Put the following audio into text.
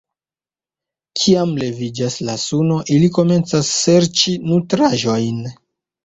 Kiam leviĝas la suno, ili komencas serĉi nutraĵojn.